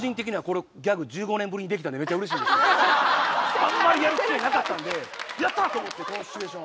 あんまりやる機会なかったんでやった！と思ってこのシチュエーション。